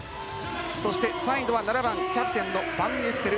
そして、サイドは７番キャプテンのバンゲステル。